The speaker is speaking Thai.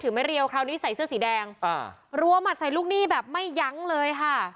ไม่เรียวคราวนี้ใส่เสื้อสีแดงอ่ารัวหมัดใส่ลูกหนี้แบบไม่ยั้งเลยค่ะ